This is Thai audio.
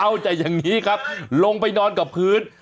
เอาแต่อย่างนี้ครับลงไปนอนกับพื้น